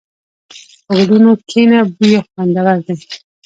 په ګلونو کښېنه، بوی یې خوندور دی.